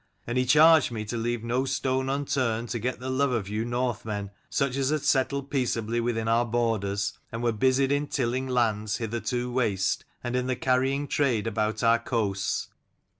And he charged me to leave no stone unturned to get the love of you 58 Northmen, such as had settled peaceably within our borders, and were busied in tilling lands hitherto waste, and in the carrying trade about our coasts.